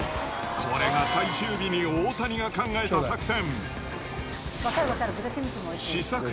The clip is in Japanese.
これが最終日に大谷が考えた作戦。